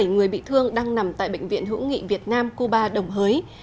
hai mươi bảy người bị thương đang nằm tại bệnh viện hữu nghị việt nam cuba đồng hới